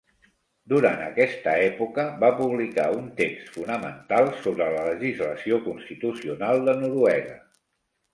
Durant aquesta època, va publicar un text fonamental sobre la legislació constitucional de Noruega.